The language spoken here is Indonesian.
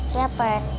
iya pak rt